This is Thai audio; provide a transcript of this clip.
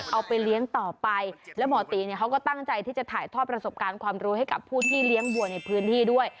เอาไปเลี้ยงต่อไปแล้วหมอตีเนี่ยเขาก็ตั้งใจที่จะถ่ายทอดประสบการณ์ความรู้ให้กับผู้ที่เลี้ยงวัวในพื้นที่ด้วย